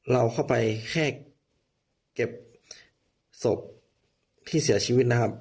เราเข้าไปแค่เก็บศพที่เสียชีวิตนะครับ